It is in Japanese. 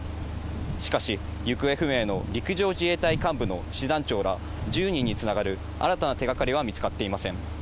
しかし、行方不明の陸上自衛隊幹部の師団長ら１０人につながる、新たな手がかりは見つかっていません。